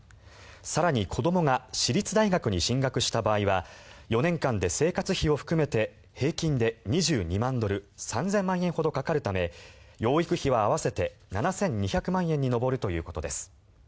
更に、子どもが私立大学に進学した場合は４年間で生活費を含めて平均で２２万ドル３０００万円ほどかかるため養育費は合わせて７２００万円に上るということです。